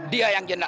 dia yang jelas jelas